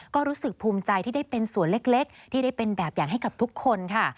ก็รู้สึกภูมิใจที่ได้เป็นส่วนเล็กที่ได้เป็นแบบอย่างให้กับทุกคนค่ะ